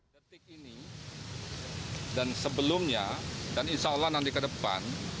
detik ini dan sebelumnya dan insya allah nanti ke depan